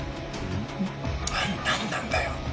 うん？何なんだよ？